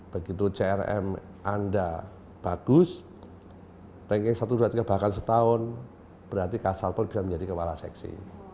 begitu crm anda bagus ranking satu dua tiga bahkan setahun berarti kasalpol bisa menjadi kepala seksi